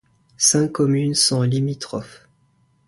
Cinq communes sont limitrophes.